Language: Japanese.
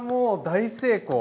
大成功！